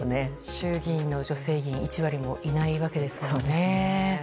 衆議院の女性議員が１割もいないわけですからね。